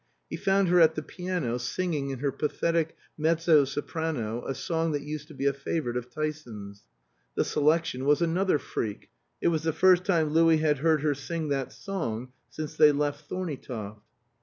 He found her at the piano, singing in her pathetic mezzo soprano a song that used to he a favorite of Tyson's. The selection was another freak; it was the first time Louis had heard her sing that song since they left Thorneytoft.